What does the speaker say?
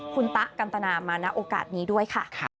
คุณตะกันตนามาณโอกาสนี้ด้วยค่ะ